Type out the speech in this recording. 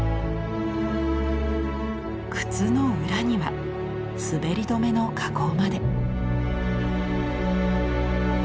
靴の裏には滑り止めの加工まで。